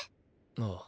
ああ。